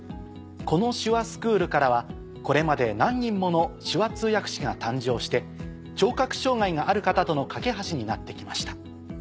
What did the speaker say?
この手話スクールからはこれまで何人もの手話通訳士が誕生して聴覚障がいがある方との懸け橋になって来ました。